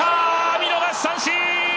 見逃し三振！